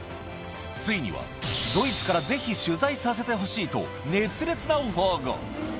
ついにはドイツから、ぜひ取材させてほしいと、熱烈なオファーが。